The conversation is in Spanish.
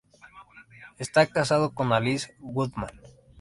Está casado con Alice Goodman.